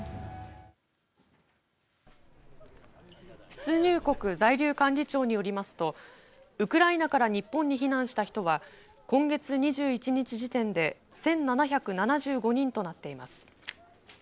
出入国在留管理庁によりますとウクライナから日本に避難した人は今月２１日時点で１７７５人となっています。